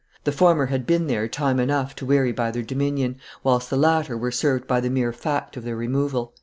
The former had been there time enough to weary by their dominion, whilst the latter were served by the mere fact of their removal."